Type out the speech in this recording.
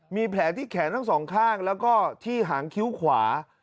มีแผลที่แขนทั้งสองข้างแล้วก็ที่หางคิ้วขวา